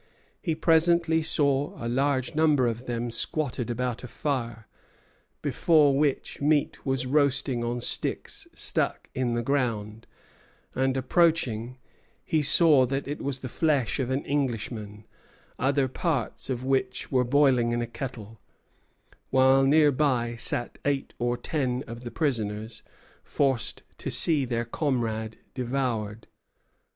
He presently saw a large number of them squatted about a fire, before which meat was roasting on sticks stuck in the ground; and, approaching, he saw that it was the flesh of an Englishman, other parts of which were boiling in a kettle, while near by sat eight or ten of the prisoners, forced to see their comrade devoured.